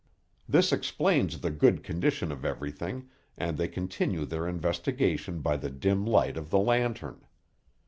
This explains the good condition of everything, and they continue their investigation by the dim light of the lantern.